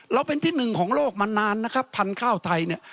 เป็นที่หนึ่งของโลกมานานนะครับพันธุ์ข้าวไทยเนี่ย